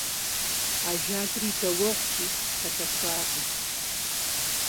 Ажалыр и дауэгъути, пэлъэщакъым…